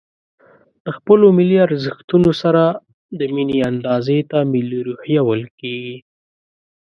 د خپلو ملي ارزښتونو سره د ميني اندازې ته ملي روحيه ويل کېږي.